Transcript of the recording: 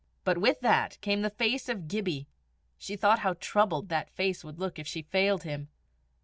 But with that came the face of Gibbie; she thought how troubled that face would look if she failed him.